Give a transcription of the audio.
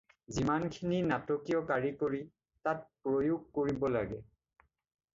যিমানখিনি নাটকীয় কাৰিকৰি তাত প্ৰয়োগ কৰিব লাগে